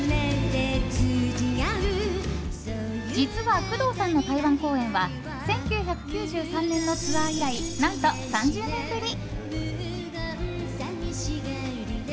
実は工藤さんの台湾公演は１９９３年のツアー以来何と、３０年ぶり！